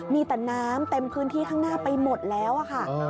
มีแต่น้ำเต็มพื้นที่ข้างหน้าไปหมดแล้วค่ะ